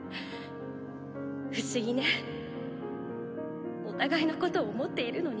不思議ねお互いのことを思っているのに。